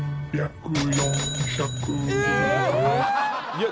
いや。